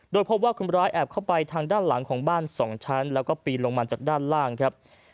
โดยพบว่าคนร้ายแอบเข้าไปทางด้านหลังของบ้าน๒ชั้นแล้วก็ปีนลงมาจากด้านล่างครับ